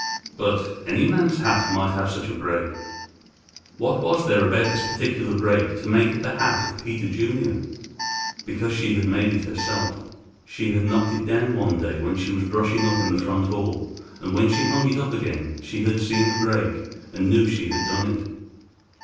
But any man's hat might have such a break. What was there about this particular break to make it the hat of Peter Junior? Because she had made it herself. She had knocked it down one day when she was brushing up in the front hall, and when she hung it up again, she had seen the break, and knew she had done it.